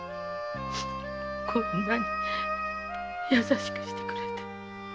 こんなに優しくしてくれて。